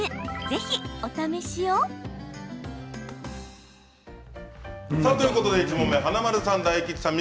ぜひ、お試しを！ということで１問目華丸さん、大吉さん